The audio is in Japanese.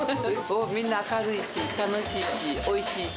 みんな明るいし、楽しいし、おいしいし。